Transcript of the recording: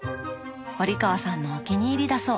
堀川さんのお気に入りだそう。